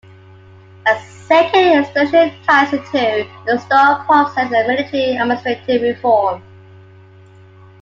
A second explanation ties it to the stalled process of military-administrative reform.